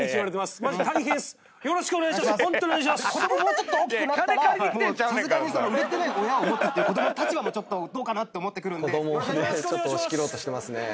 子供もうちょっと大きくなったらさすがに売れてない親を持つっていう子供の立場もちょっとどうかなって思ってくるんでよろしくお願いします！